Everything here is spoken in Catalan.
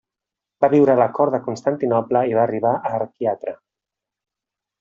Va viure a la cort de Constantinoble i va arribar a arquiatre.